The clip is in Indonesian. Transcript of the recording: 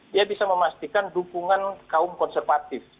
dia bisa memastikan dukungan kaum konservatif